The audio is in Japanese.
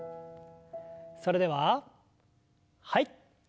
それでははい。